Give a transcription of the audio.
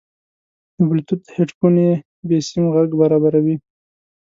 د بلوتوث هیډفون بېسیم غږ برابروي.